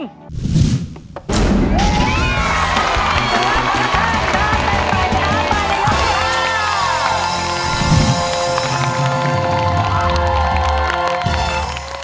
สุดท้ายค่ะน้ำเป็นใบน้ำมาในยกที่ห้า